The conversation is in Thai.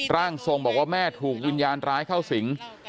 ร่างทรงบอกว่าแม่ถูกวิญญาณร้ายเข้าสิง